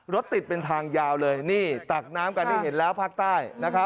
รถติดเป็นทางยาวเลยนี่ตักน้ำกันให้เห็นแล้วภาคใต้